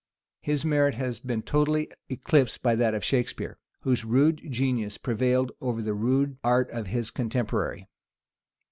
His merit has been totally eclipsed by that of Shakspeare, whose rude genius prevailed over the rude art of his contemporary.